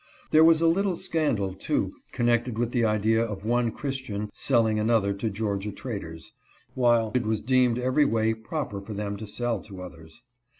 There was a little scandal, too, connected with the idea of one Christian selling another to Georgia traders, while it was deemed every way proper for them to sell to others.